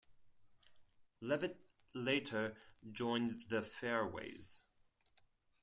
Leavitt later joined The Fairways.